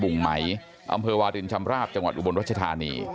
งไหมอำเภอวารินชำราบจังหวัดอุบลรัชธานี